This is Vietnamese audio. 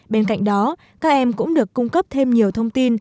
bên cạnh đó các em cũng được cung cấp thêm nhiều thông tin về rừng